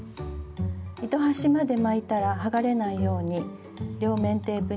糸端まで巻いたらはがれないように両面テープにつけます。